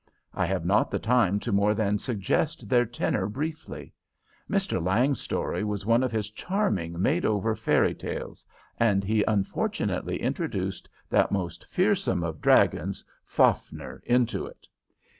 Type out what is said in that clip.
I have not the time to more than suggest their tenor briefly. Mr. Lang's story was one of his charming made over fairy tales, and he unfortunately introduced that most fearsome of dragons Fafner into it.